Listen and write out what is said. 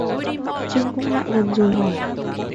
Trinh cũng lại gần rồi hỏi